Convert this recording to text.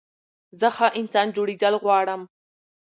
زه ښه انسان جوړېدل غواړم.